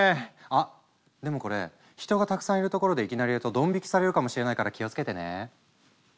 あっでもこれ人がたくさんいる所でいきなりやるとドン引きされるかもしれないから気をつけてね。